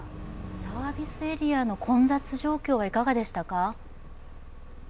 サービスエリアの混雑状況はいかがでしたか？